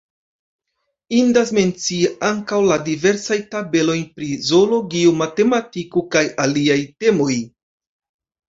Indas mencii ankaŭ la diversajn tabelojn pri zoologio, matematiko kaj aliaj temoj.